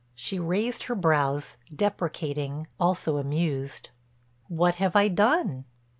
She raised her brows, deprecating, also amused: "What have I done?"